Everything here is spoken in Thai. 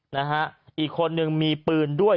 นะฮะอีกคนนึงมีปืนด้วย